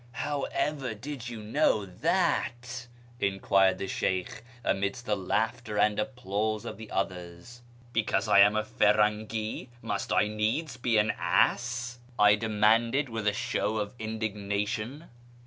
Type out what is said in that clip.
" How ever did you know that ?" enquired the Sheykh amidst the laughter and applause of the others. " Because I am a Firangi must I needs be an ass ?" I demanded, with a show of indignation.